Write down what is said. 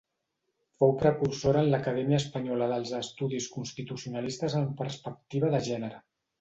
Fou precursora en l'acadèmia espanyola dels estudis constitucionalistes amb perspectiva de gènere.